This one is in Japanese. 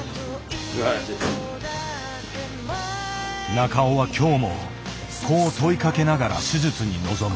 中尾は今日もこう問いかけながら手術に臨む。